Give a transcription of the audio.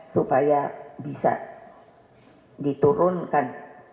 supaya bisa diturunkan